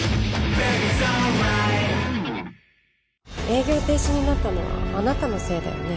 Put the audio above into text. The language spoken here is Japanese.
営業停止になったのはあなたのせいだよね？